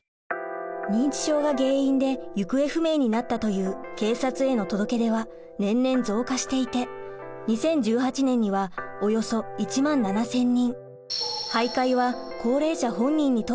認知症が原因で行方不明になったという警察への届け出は年々増加していて２０１８年にはおよそ１万７，０００人。